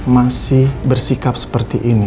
masih bersikap seperti ini